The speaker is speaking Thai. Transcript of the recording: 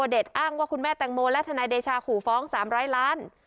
อดีตอ้างว่าคุณแม่แตงโมและธนายเดชาขูฟ้องสามร้อยล้าน